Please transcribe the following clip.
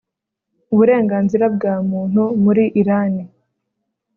uburenganzira bwa muntu muri Irani